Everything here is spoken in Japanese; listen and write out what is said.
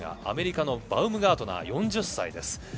アメリカのバウムガートナー４０歳です。